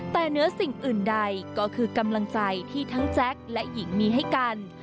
แต่เนื้อสิ่งอื่นใดก็คือกำลังใจที่ทั้งแจ๊คและหญิงมีให้กัน